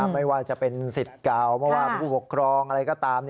ไม่ว่าจะเป็นสิทธิ์เก่าไม่ว่าผู้ปกครองอะไรก็ตาม